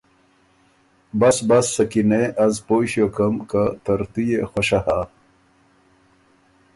”بس بس سکینې از پویٛ ݭیوکم که ترتُو يې خؤشه هۀ“